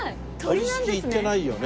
鳥すき行ってないよね？